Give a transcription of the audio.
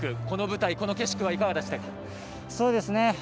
この舞台この景色はいかがでしたか？